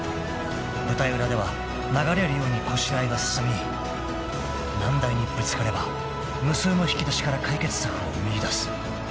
［舞台裏では流れるようにこしらえが進み難題にぶつかれば無数の引き出しから解決策を見いだす］